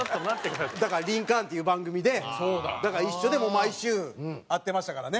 だから『リンカーン』っていう番組で一緒でもう毎週会ってましたからね。